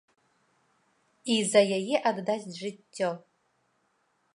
І за яе аддасць жыццё.